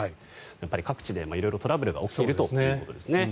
やっぱり各地で色々トラブルが起きているということですね。